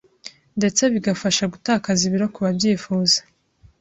ndetse bigafasha gutakaza ibiro ku babyifuza